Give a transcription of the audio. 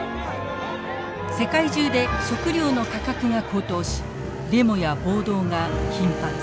世界中で食料の価格が高騰しデモや暴動が頻発。